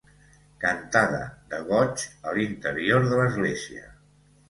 Cantada de goig a l'Interior de l'església.